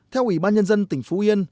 theo ủy ban nhân dân tỉnh phú yên